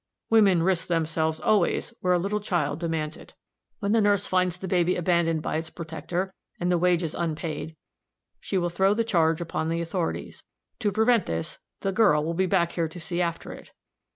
"Women risk themselves, always, where a little child demands it. When the nurse finds the baby abandoned by its protector, and the wages unpaid, she will throw the charge upon the authorities. To prevent this, the girl will be back here to see after it.